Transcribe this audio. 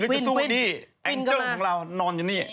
อังเจิ้ลของเรานอนอย่างนี้